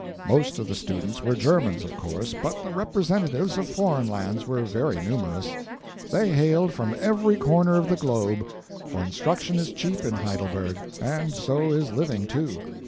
Most of the students were Germans, of course, but the representatives of foreign lands were very numerous. They hailed from every corner of the globe for instruction is cheap in Heidelberg, and so is living, too.